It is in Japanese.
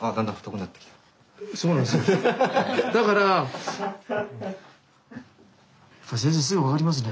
やっぱり先生すぐ分かりますね。